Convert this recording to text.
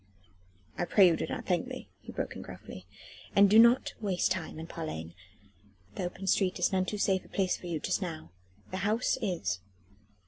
"I pray you do not thank me," he broke in gruffly, "and do not waste time in parleying. The open street is none too safe a place for you just now. The house is."